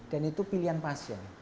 dan itu pilihan pasien